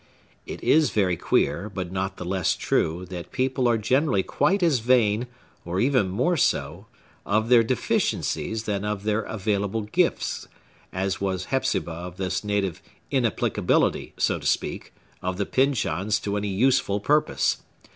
It is very queer, but not the less true, that people are generally quite as vain, or even more so, of their deficiencies than of their available gifts; as was Hepzibah of this native inapplicability, so to speak, of the Pyncheons to any useful purpose.